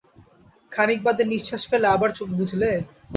খানিক বাদে নিশ্বাস ফেলে আবার চোখ বুজলে।